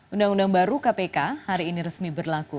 undang undang baru kpk hari ini resmi berlaku